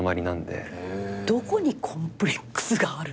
どこにコンプレックスがあるの？